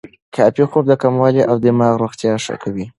کافي خوب د کولمو او دماغ روغتیا ښه کوي.